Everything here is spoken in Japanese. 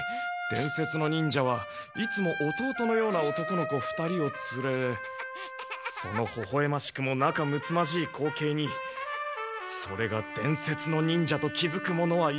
伝説の忍者はいつも弟のような男の子２人をつれそのほほえましくもなかむつまじい光景にそれが伝説の忍者と気づく者はいなかった。